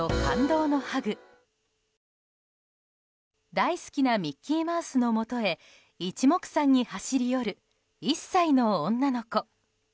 大好きなミッキーマウスのもとへ一目散に走り寄る１歳の女の子。